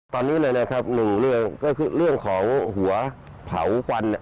ตอนนี้เลยนะครับหนึ่งเรื่องก็คือเรื่องของหัวเผาควันเนี่ย